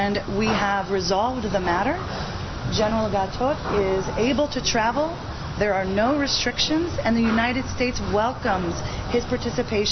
dan tidak ada masalah dengan kemampuan mereka untuk berjalan ke amerika serikat